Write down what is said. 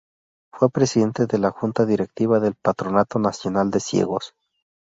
Fue Presidente de la Junta Directiva del Patronato Nacional de Ciegos.